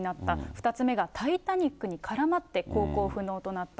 ２つ目がタイタニックに絡まって航行不能となった。